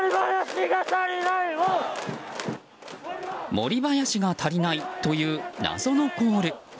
「森林が足りない」という謎のコール。